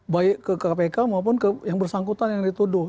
baik ke kpk maupun ke yang bersangkutan yang dituduh